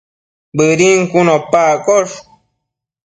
Bëdin cun opa accosh